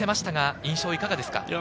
印象はいかがですか？